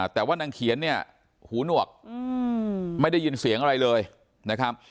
แต่ว่านางเขียนเนี่ยหูหนวกไม่ได้ยินเสียงอะไรเลยนะครับ